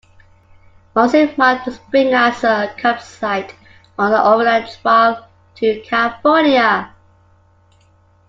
Marcy marked the spring as a campsite on the Overland Trail to California.